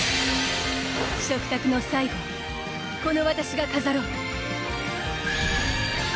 食卓の最後をこのわたしが飾ろう！